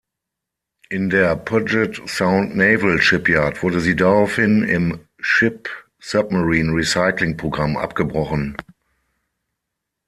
In der Puget Sound Naval Shipyard wurde sie daraufhin im Ship-Submarine Recycling Program abgebrochen.